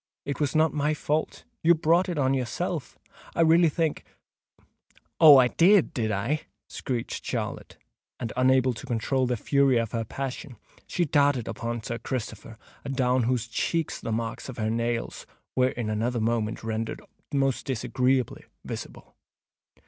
"It was not my fault—you brought it on yourself—I really think——" "Oh! I did, did I?" screeched Charlotte; and, unable to control the fury of her passion, she darted upon Sir Christopher, adown whose cheeks the marks of her nails were in another moment rendered most disagreeably visible.